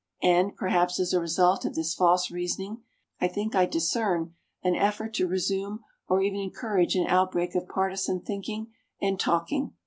And, perhaps as a result of this false reasoning, I think I discern an effort to resume or even encourage an outbreak of partisan thinking and talking.